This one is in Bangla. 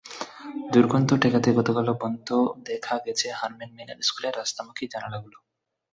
দুর্গন্ধ ঠেকাতে গতকালও বন্ধ দেখা গেছে হারমেন মেইনার স্কুলের রাস্তামুখী জানালাগুলো।